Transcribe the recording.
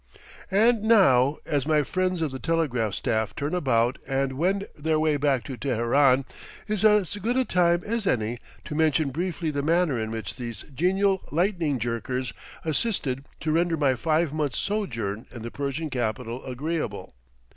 And now, as my friends of the telegraph staff turn about and wend their way back to Teheran, is as good a time as any to mention briefly the manner in which these genial lightning jerkers assisted to render my five months' sojourn in the Persian capital agreeable.